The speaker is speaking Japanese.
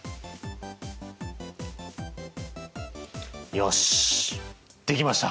よしできました！